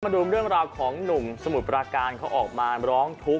ดูเรื่องราวของหนุ่มสมุทรปราการเขาออกมาร้องทุกข